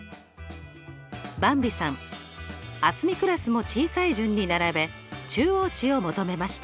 ばんびさんあすみクラスも小さい順に並べ中央値を求めました。